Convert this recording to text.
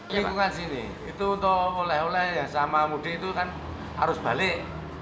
lingkungan sini itu untuk oleh oleh yang sama mudik itu kan arus balik